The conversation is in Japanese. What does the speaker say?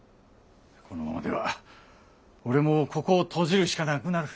このままでは俺もここを閉じるしかなくなる。